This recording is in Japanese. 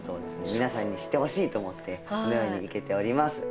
皆さんに知ってほしいと思ってこのように生けております。